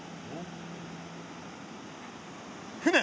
船？